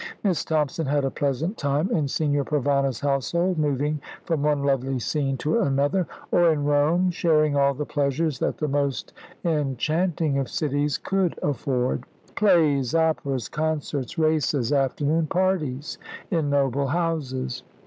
Miss Thompson had a pleasant time in Signor Provana's household; moving from one lovely scene to another, or in Rome sharing all the pleasures that the most enchanting of cities could afford. Plays, operas, concerts, races, afternoon parties in noble houses.